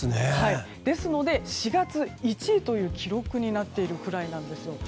ですので、４月１位という記録になっているくらいなんです。